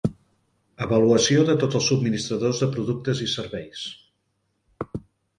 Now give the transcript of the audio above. Avaluació de tots els subministradors de productes i serveis.